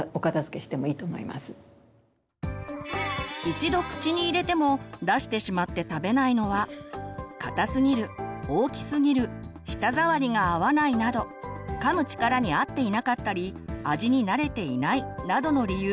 一度口に入れても出してしまって食べないのは硬すぎる大きすぎる舌触りが合わないなどかむ力に合っていなかったり味に慣れていないなどの理由があります。